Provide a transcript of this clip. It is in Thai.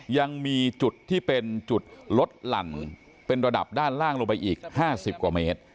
ยังมีจุดที่เป็นจุดลดหลั่นเป็นระดับด้านล่างลงไปอีก๕๐กว่าเมตร